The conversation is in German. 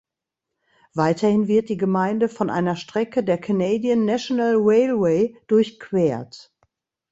Weiterhin wird die Gemeinde von einer Strecke der Canadian National Railway durchquert.